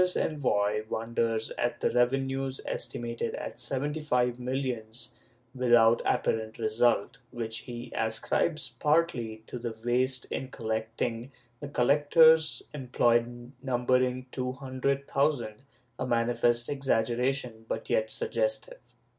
486 RETROSPECT [Book IX envoy wonders at the revenues, estimated at seventy five millions, without apparent result, which he ascribes partly to the waste in collecting, the collectors employed numbering two hundred thou sand— a manifest exaggeration, but yet suggestive.